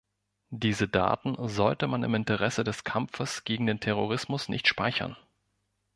Diese Daten sollte man im Interesse des Kampfes gegen den Terrorismus nicht speichern.